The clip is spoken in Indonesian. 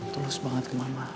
tulus banget ke mama